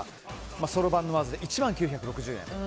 そろばんを弾いて１万９６０円。